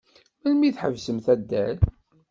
Melmi i tḥebsemt addal?